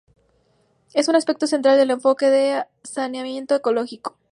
Es un aspecto central del enfoque de saneamiento ecológico.